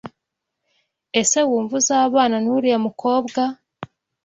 Ese wumva uzabana n’uriya mukobwa?